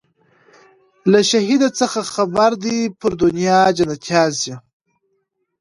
له شهیده څه خبر دي پر دنیا جنتیان سوي